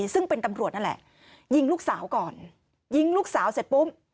ซึ่งเป็นตำรวจนั่นแหละยิงลูกสาวก่อนยิงลูกสาวเสร็จปุ๊บ